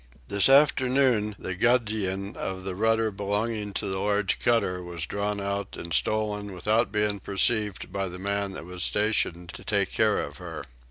This afternoon the gudgeon of the rudder belonging to the large cutter was drawn out and stolen without being perceived by the man that was stationed to take care of her.